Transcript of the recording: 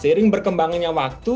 nah seiring berkembangannya waktu